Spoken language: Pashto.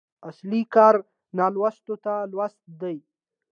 اصلي کار نالوستو ته لوست دی.